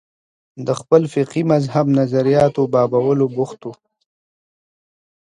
د خپل فقهي مذهب نظریاتو بابولو بوخت شول